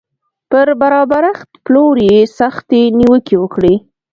پر برابرښت پلور یې سختې نیوکې وکړې